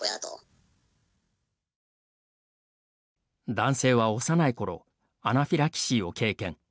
男性は幼い頃アナフィラキシーを経験。